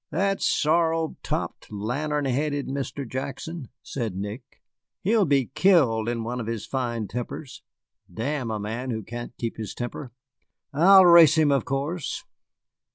"That sorrel topped, lantern headed Mr. Jackson?" said Nick. "He'll be killed in one of his fine tempers. Damn a man who can't keep his temper. I'll race him, of course.